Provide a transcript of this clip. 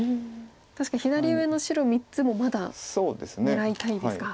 確かに左上の白３つもまだ狙いたいですか。